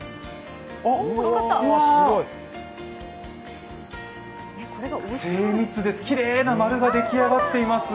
うわー、精密です、きれいな丸ができあがっています。